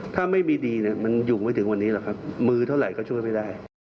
ถ้าไม่มีดีมันหยุมไม่ถึงวันนี้มือเท่าไหร่ก็ช่วยไม่ได้